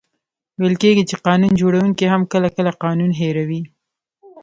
ویل کېږي چي قانون جوړونکې هم کله، کله قانون هېروي.